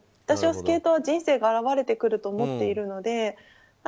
私はスケートは人生が表れてくると思っているので。